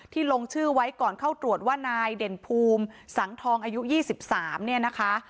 ลงชื่อไว้ก่อนเข้าตรวจว่านายเด่นภูมิสังทองอายุ๒๓เนี่ยนะคะ